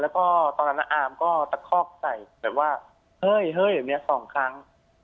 แล้วก็ตอนนั้นอาร์มก็ตะคอกใส่แบบว่าเฮ้ยเฮ้ยเหมือนเนี้ย๒ครั้ง